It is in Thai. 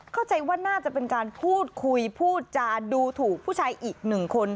เข้าใจว่าน่าจะเป็นการพูดคุยพูดจาดูถูกผู้ชายอีกหนึ่งคน